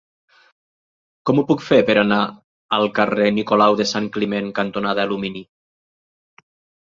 Com ho puc fer per anar al carrer Nicolau de Sant Climent cantonada Alumini?